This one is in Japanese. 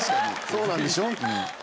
そうなんでしょ？